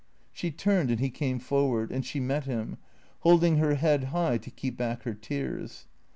She turned, and he came forward, and she met him, holding her head high to keep back her tears.